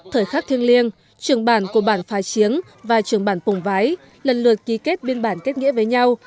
thời khắc thiêng liêng trường bản của bản phá chiếng và trường bản pùng vái lần lượt ký kết biên bản kết nghĩa với nhau